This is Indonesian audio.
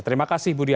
terima kasih ibu dya